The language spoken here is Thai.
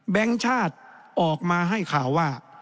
ชาติออกมาให้ข่าวว่า